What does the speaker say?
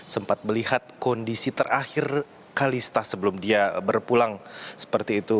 sempat melihat kondisi terakhir kalista sebelum dia berpulang seperti itu